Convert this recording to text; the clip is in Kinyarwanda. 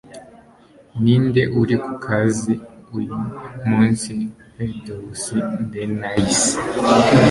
Ninde uri ku kazi uyu munsi FeuDRenais